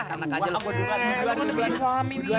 eh lu kan lebih suami nih